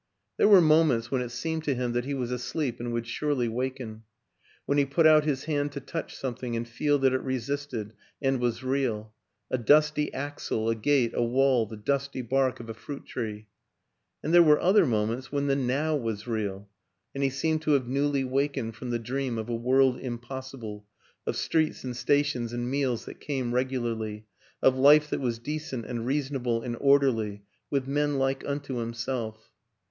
There were moments when it seemed to him that he was asleep and would surely waken; when he put out his hand to touch something and feel that it resisted and was real a dusty axle, a gate, a wall, the dusty bark of a fruit tree. And there were other moments when the now was real, and he seemed to have newly wakened from the dream of a world impossible of streets and stations and meals that came regularly, of life that was decent and reasonable and orderly, with men like unto himself.